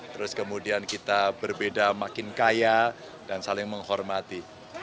terus kemudian kita berbeda makin kaya dan saling menghormati